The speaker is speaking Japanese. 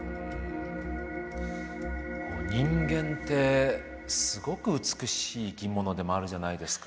人間ってすごく美しい生き物でもあるじゃないですか。